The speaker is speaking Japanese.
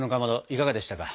いかがでしたか？